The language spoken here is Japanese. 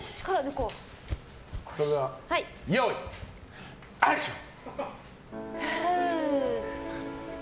それでは用意、アクション！